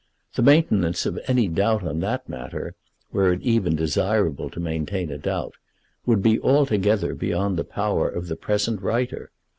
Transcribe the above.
The maintenance of any doubt on that matter, were it even desirable to maintain a doubt, would be altogether beyond the power of the present writer.